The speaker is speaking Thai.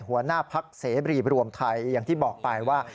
หัวหน้าพักเสบรีรวมไทยอย่างที่บอกไปว่า